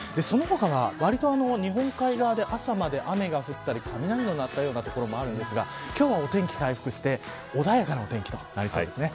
その他は、わりと日本海側で朝まで雨が降ったり雷の鳴ったような所もありますが今日はお天気が回復して穏やかなお天気となりそうです。